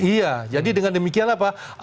iya jadi dengan demikian apa